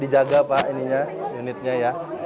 dijaga pak unitnya ya